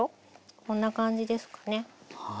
こんな感じですかね。